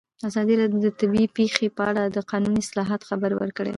ازادي راډیو د طبیعي پېښې په اړه د قانوني اصلاحاتو خبر ورکړی.